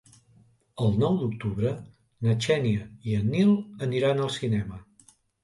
El nou d'octubre na Xènia i en Nil aniran al cinema.